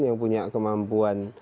yang punya kemampuan